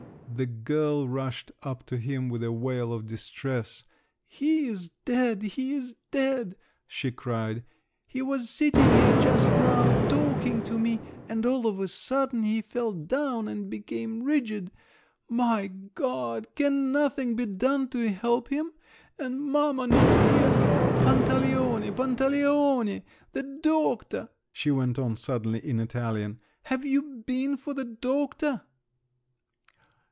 The girl rushed up to him with a wail of distress. "He is dead, he is dead!" she cried; "he was sitting here just now, talking to me—and all of a sudden he fell down and became rigid…. My God! can nothing be done to help him? And mamma not here! Pantaleone, Pantaleone, the doctor!" she went on suddenly in Italian. "Have you been for the doctor?"